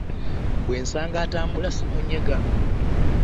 Bwe nsanga atambula ssimunyega.